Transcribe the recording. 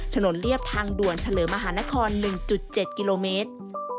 เรียบทางด่วนเฉลิมมหานคร๑๗กิโลเมตร